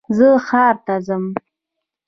زه ښار ته ځم